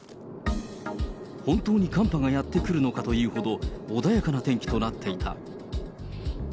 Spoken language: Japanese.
本当に寒波がやって来るのかというほど穏やかな天気となっていた。